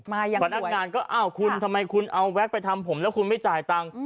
มายังสวยคุณทำไมคุณเอาแว็กซ์ไปทำผมแล้วคุณไม่จ่ายตังค์